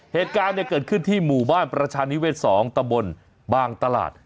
เหตุการณ์เนี้ยเกิดขึ้นที่หมู่บ้านประชานวิเวศสองตะบนบ้างตลาดอ๋อ